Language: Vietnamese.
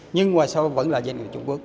nhưng ngoài sau vẫn là doanh nghiệp trung quốc